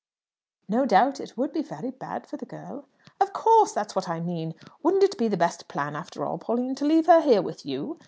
"No doubt it would be very bad for the girl." "Of course! That's what I mean. Wouldn't it be the best plan after all, Pauline, to leave her here with you?